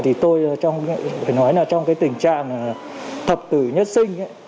thì tôi phải nói là trong cái tình trạng thập tử nhất sinh ấy